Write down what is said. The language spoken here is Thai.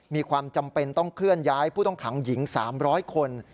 มีความจำเป็นต้องเคลื่อนย้ายผู้ต้องขังหญิง๓๐๐คน